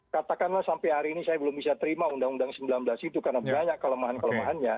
katakanlah sampai hari ini saya belum bisa terima undang undang sembilan belas itu karena banyak kelemahan kelemahannya